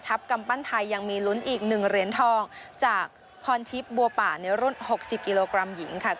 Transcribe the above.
กำปั้นไทยยังมีลุ้นอีก๑เหรียญทองจากพรทิพย์บัวป่าในรุ่น๖๐กิโลกรัมหญิงค่ะ